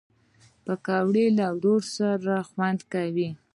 پکورې له ورور سره خوند کوي